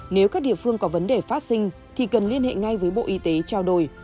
nếu các địa phương có vấn đề phát sinh thì cần liên hệ ngay với bộ y tế trao đổi